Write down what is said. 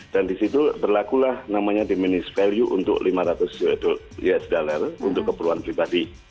dan di situ berlakulah namanya diminished value untuk lima ratus usd untuk keperluan pribadi